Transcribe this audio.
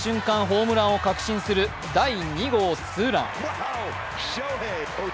ホームランを確信する第２号ツーラン。